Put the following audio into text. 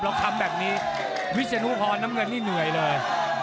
ทำแบบนี้วิศนุพรน้ำเงินนี่เหนื่อยเลย